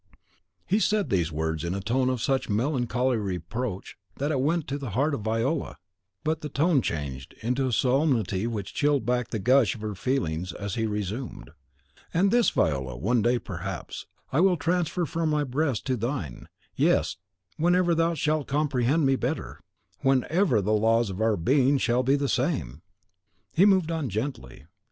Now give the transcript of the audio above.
He said these words in a tone of such melancholy reproach that it went to the heart of Viola; but the tone changed into a solemnity which chilled back the gush of her feelings as he resumed: "And this, Viola, one day, perhaps, I will transfer from my breast to thine; yes, whenever thou shalt comprehend me better, WHENEVER THE LAWS OF OUR BEING SHALL BE THE SAME!" He moved on gently.